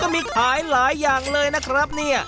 มีขายหลายอย่างเลยนะครับเนี่ย